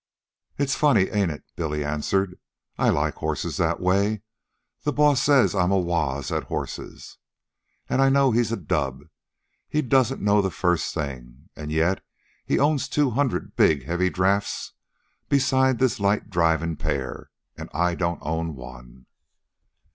"It's funny, ain't it?" Billy answered. "I like horses that way. The boss says I'm a wooz at horses. An' I know he's a dub. He don't know the first thing. An' yet he owns two hundred big heavy draughts besides this light drivin' pair, an' I don't own one."